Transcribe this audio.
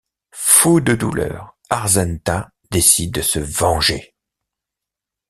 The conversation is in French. Fou de douleur, Arzenta décide de se venger...